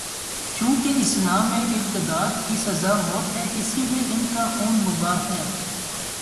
چونکہ اسلام میں ارتداد کی سزا موت ہے، اس لیے ان کا خون مباح ہے۔